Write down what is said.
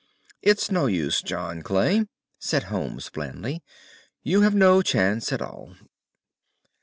"It's no use, John Clay," said Holmes blandly. "You have no chance at all."